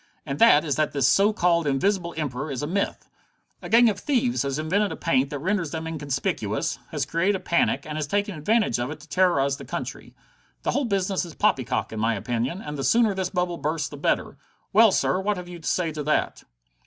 "And that is that this so called Invisible Emperor is a myth. "A gang of thieves has invented a paint that renders them inconspicuous, has created a panic, and is taking advantage of it to terrorize the country. The whole business is poppycock, in my opinion, and the sooner this bubble bursts the better. Well, sir, what have you to say to that?"